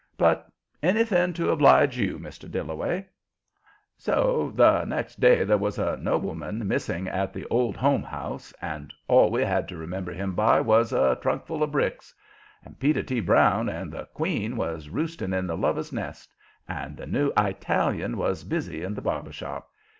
But anything to oblige you, Mr. Dillaway." So the next day there was a nobleman missing at the "Old Home House," and all we had to remember him by was a trunk full of bricks. And Peter T. Brown and the "queen" was roosting in the Lover's Nest; and the new Italian was busy in the barber shop.